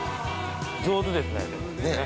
上手ですねでも。